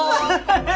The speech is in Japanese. ハハハハ！